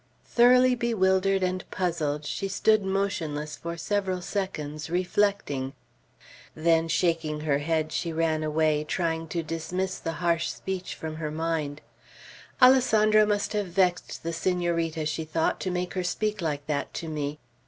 Thoroughly bewildered and puzzled, she stood motionless for several seconds, reflecting; then, shaking her head, she ran away, trying to dismiss the harsh speech from her mind. "Alessandro must have vexed the Senorita," she thought, "to make her speak like that to me."